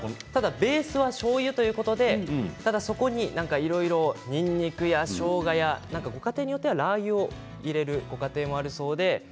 ベースはしょうゆということでそこにいろいろ、にんにくやしょうがやご家庭によってはラー油を入れるご家庭もあるそうです。